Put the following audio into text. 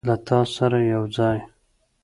له تا سره یوځای